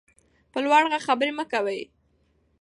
په لوړ غږ خبرې مه کوئ.